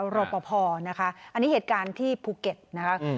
รอปภนะคะอันนี้เหตุการณ์ที่ภูเก็ตนะคะ